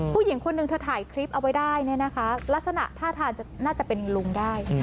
ผู้หญิงคนหนึ่งเธอถ่ายคลิปเอาไว้ได้เนี่ยนะคะลักษณะท่าทางน่าจะเป็นลุงได้